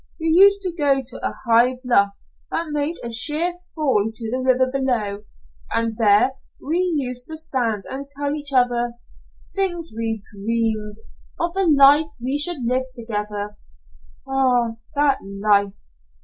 We used to go to a high bluff that made a sheer fall to the river below and there we used to stand and tell each other things we dreamed of the life we should live together Ah, that life!